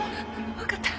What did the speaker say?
分かった。